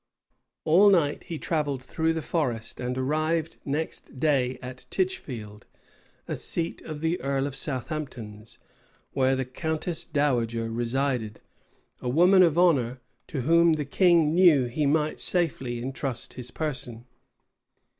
All night he travelled through the forest, and arrived next day at Tichfield, a seat of the earl of Southampton's, where the countess dowager resided, a woman of honor, to whom the king knew he might safely intrust his person.